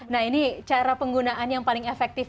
nah ini cara penggunaan yang paling efektif